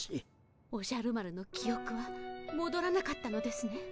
おじゃる丸の記おくはもどらなかったのですね？